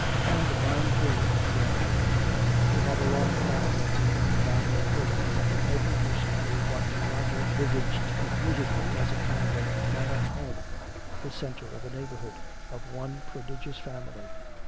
"And mine, too," he answered. They had a long talk that evening about her hope of making her school what Roger visaged confusedly as a kind of mammoth home, the center of a neighborhood, of one prodigious family.